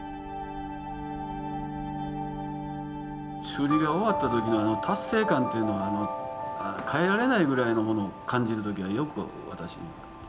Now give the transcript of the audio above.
修理が終わった時の達成感っていうのはかえられないぐらいのものを感じる時がよく私はあって。